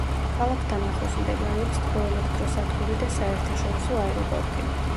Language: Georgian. ქალაქთან ახლოს მდებარეობს თბოელექტროსადგური და საერთაშორისო აეროპორტი.